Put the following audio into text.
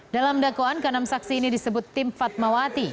dalam dakwaan ke enam saksi ini disebut tim fatmawati